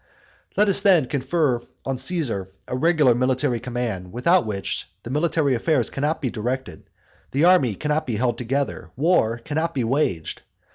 Let us then confer on Caesar a regular military command, without which the military affairs cannot be directed, the army cannot be held together, war cannot be waged.